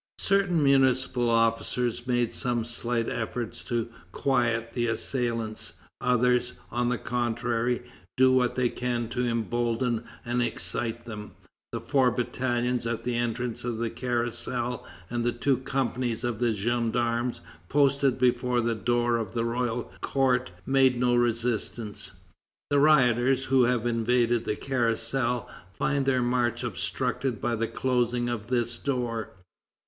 Certain municipal officers make some slight efforts to quiet the assailants; others, on the contrary, do what they can to embolden and excite them. The four battalions at the entrance of the Carrousel, and the two companies of gendarmes posted before the door of the Royal Court, make no resistance. The rioters, who have invaded the Carrousel, find their march obstructed by the closing of this door.